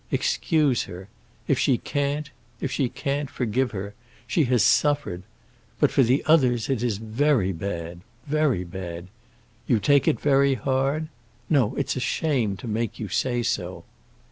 Excuse her. If she can't—if she can't, forgive her. She has suffered. But for the others it is very bad—very bad. You take it very hard? No, it's a shame to make you say so."